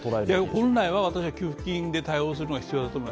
本来は私は給付金で対応するのが必要だと思う。